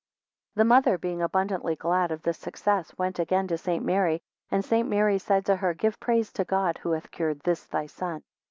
6 The mother being abundantly glad of this success, went again to St. Mary, and St. Mary said to her, Give praise to God, who hath cured this thy son.